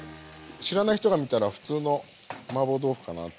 知らない人が見たら普通のマーボー豆腐かなと思いますよね。